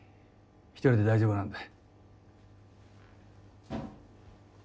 １人で大丈夫なんで。